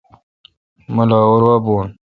مہ لاہور وا بھون۔